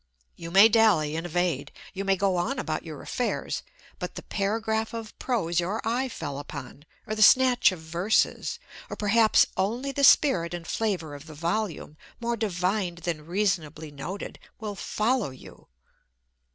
You may dally and evade, you may go on about your affairs, but the paragraph of prose your eye fell upon, or the snatch of verses, or perhaps only the spirit and flavour of the volume, more divined than reasonably noted, will follow you.